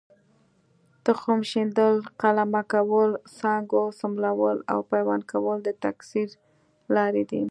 تخم شیندل، قلمه کول، څانګو څملول او پیوند کول د تکثیر لارې دي.